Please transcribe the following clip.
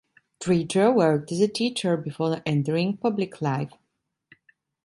Driedger worked as a teacher before entering public life.